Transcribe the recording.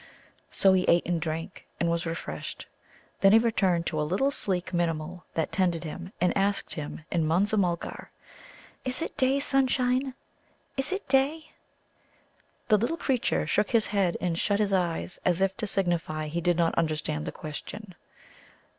So he ate and drank, and was refreshed. Then he turned to a little sleek Minimul that tended him, and asked him in Munza mulgar: "Is it day sunshine? Is it day?" The little creature shook his head and shut his eyes, as if to signify he did not understand the question.